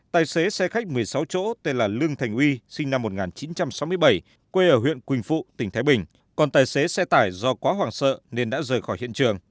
tài xế xe khách một mươi sáu chỗ tên là lương thành uy sinh năm một nghìn chín trăm sáu mươi bảy quê ở huyện quỳnh phụ tỉnh thái bình còn tài xế xe tải do quá hoảng sợ nên đã rời khỏi hiện trường